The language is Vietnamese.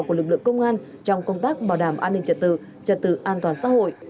của lực lượng công an trong công tác bảo đảm an ninh trật tự trật tự an toàn xã hội